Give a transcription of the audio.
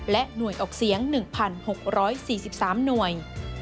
และหน่วยออกเสียง๑๖๔๓หน่วย